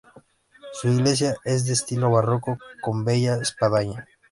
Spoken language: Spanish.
Su iglesia es de estilo barroco con bella espadaña.